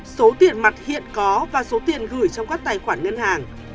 số tiền mặt hiện có và số tiền gửi trong các tài khoản ngân hàng